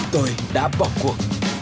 tôi đã bỏ cuộc